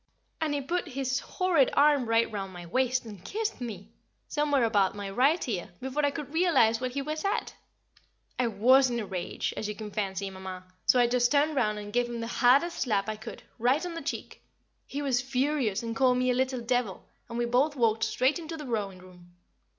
And he put his horrid arm right round my waist, and kissed me somewhere about my right ear before I could realise what he was at! I was in a rage, as you can fancy, Mamma, so I just turned round and gave him the hardest slap I could, right on the cheek! He was furious, and called me a "little devil," and we both walked straight into the drawing room.